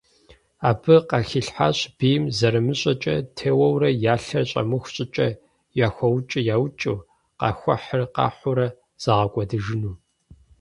Абы къыхилъхьащ бийм зэрымыщӏэкӏэ теуэурэ, я лъэр щӏэмыху щӏыкӏэ яхуэукӏыр яукӏыу, къахуэхьыр къахьурэ загъэкӏуэдыжыну.